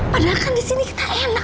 padahal kan disini kita enak